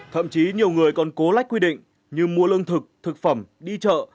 thậm chí nhiều người còn cố lách quy định như mua lương thực thực phẩm đi chợ